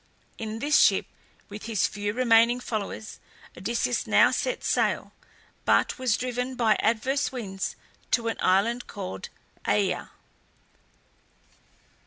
In this ship, with his few remaining followers, Odysseus now set sail, but was driven by adverse winds to an island called AEaea.